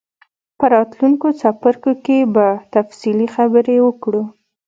په راتلونکو څپرکو کې به تفصیلي خبرې وکړو.